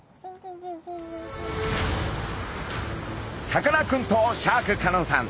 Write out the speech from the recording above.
さかなクンとシャーク香音さん